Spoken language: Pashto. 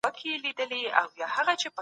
ایا سیاسي ګوندونو خپلي تېروتني منل دي؟